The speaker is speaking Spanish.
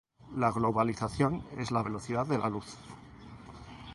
La globalización es la velocidad de la luz.